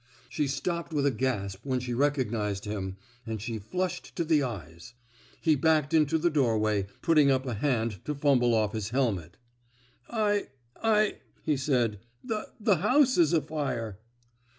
She stopped with a gasp when she recog nized him, and she flushed to the eyes. He backed into the doorway, putting up a hand to fumble off his helmet. I — 1,'^ he said. The — the house 's afire.